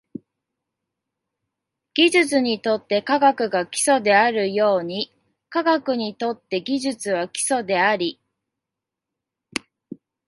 技術にとって科学が基礎であるように、科学にとって技術は基礎であり、